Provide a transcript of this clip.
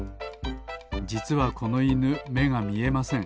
じつはこのいぬめがみえません。